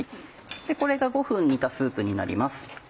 これが５分煮たスープになります。